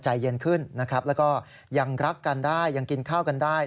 ใจเย็นขึ้นนะครับแล้วก็ยังรักกันได้ยังกินข้าวกันได้